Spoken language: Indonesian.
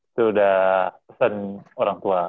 itu udah pesan orang tua